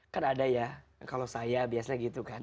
kan ada ya kalau saya biasanya gitu kan